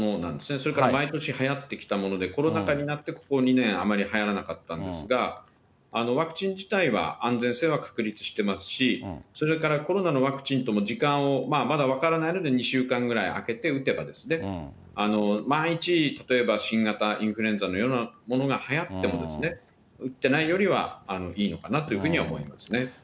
それから毎年はやってきたもので、コロナ禍になってここ２年、あまりはやらなかったんですが、ワクチン自体は安全性は確立してますし、それからコロナのワクチンとも時間を、まだ分からないので２週間ぐらい空けて打てばですね、万一、例えば新型インフルエンザのようなものがはやってもですね、打ってないよりはいいのかなというふうに思いますね。